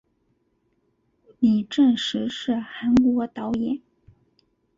李振石是韩国导演。